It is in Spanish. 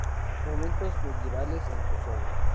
Monumentos medievales en Kosovo